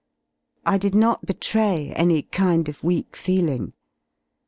J diinbt betray any kin_d of weak feeling.